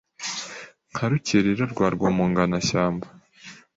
Nka Rukerera rwa Rwomonganashyamba